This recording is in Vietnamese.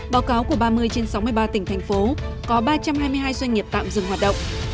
báo cáo của ba mươi trên sáu mươi ba tỉnh thành phố có ba trăm hai mươi hai doanh nghiệp tạm dừng hoạt động